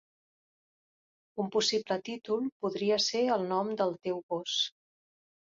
Un possible títol podria ser el nom del teu gos.